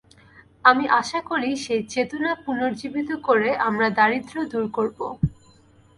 আমি আশা করি, সেই চেতনা পুনর্জীবিত করে আমরা দারিদ্র্য দূর করব।